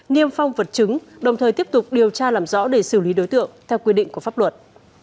niêm phong vật chứng đồng thời tiếp tục điều tra làm rõ để xử lý đối tượng theo quy định của pháp luật